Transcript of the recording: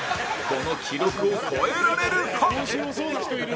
この記録を超えられるか？